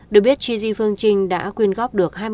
được biết gigi phương trinh đã quyên góp được